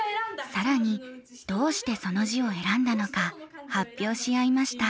更にどうしてその字を選んだのか発表し合いました。